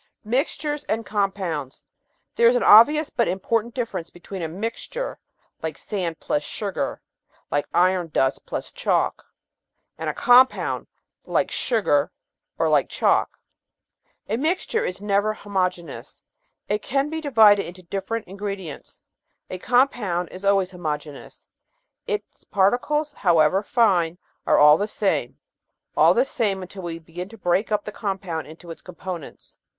Mixtures and Compounds There is an obvious but important difference between a mixture like sand plus sugar, like iron dust plus chalk, and a compound like sugar, or like chalk. A mixture is never homo geneous ; it can be divided into different ingredients. A compound is always homogeneous ; its particles, however fine, are all the same all the same until we begin to break up the 'compound into its components.